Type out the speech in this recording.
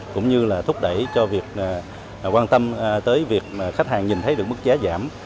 cũng như là thúc đẩy cho việc quan tâm tới việc khách hàng nhìn thấy được mức giá giảm